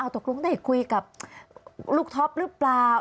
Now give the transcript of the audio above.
ตกลงได้คุยกับลูกท็อปหรือเปล่า